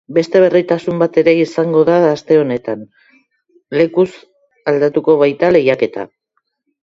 Beste berritasun bat ere izango da aste honetan, lekuz aldatuko baita lehiaketa.